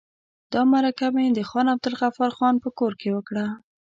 دا مرکه مې د خان عبدالغفار خان په کور کې وکړه.